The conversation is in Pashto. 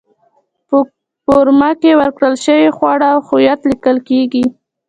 په فورمه کې ورکړل شوي خواړه او هویت لیکل کېږي.